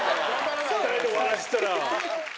２人でお話ししてたら。